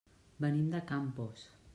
Venim de Campos.